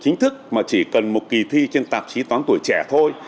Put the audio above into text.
chính thức mà chỉ cần một kỳ thi trên tạp chí toán tuổi trẻ thôi